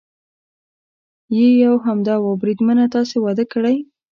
یې یو همدا و، بریدمنه تاسې واده کړی؟